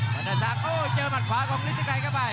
บรรดาศักดิ์เจอบรรดาของฤทธิไกรเข้าไป